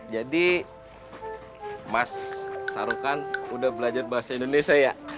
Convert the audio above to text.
jadi mas sarukan udah belajar bahasa indonesia ya